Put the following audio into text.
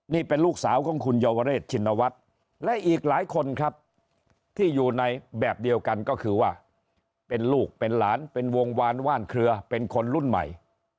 นี่เป็นลูกสาวของคุณเยาวเรศชินวัฒน์และอีกหลายคนครับที่อยู่ในแบบเดียวกันก็คือว่าเป็นลูกเป็นหลานเป็นวงวานว่านเครือเป็นคนรุ่นใหม่